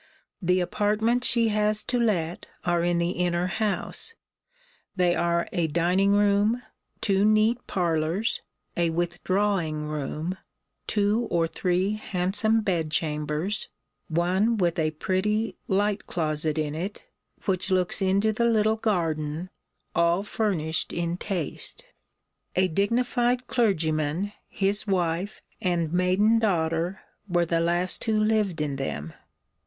The apartments she has to let are in the inner house: they are a dining room, two neat parlours, a withdrawing room, two or three handsome bedchambers, one with a pretty light closet in it, which looks into the little garden, all furnished in taste. A dignified clergyman, his wife, and maiden daughter were the last who lived in them.